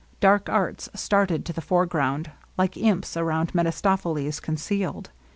Dark arts started to the fore ground, like imps around Mephistopheles concealed.